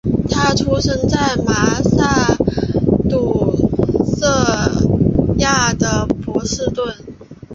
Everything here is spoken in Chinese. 他出生在麻萨诸塞州的波士顿。